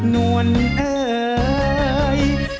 นวลเอ่ย